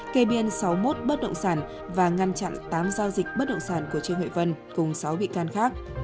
kê biên sáu mươi một bất động sản và ngăn chặn tám giao dịch bất động sản của trương huệ vân cùng sáu bị can khác